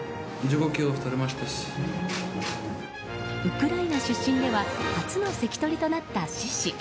ウクライナ出身では初の関取となった獅司。